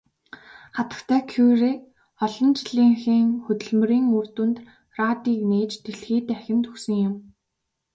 Хатагтай Кюре олон жилийнхээ хөдөлмөрийн үр дүнд радийг нээж дэлхий дахинд өгсөн юм.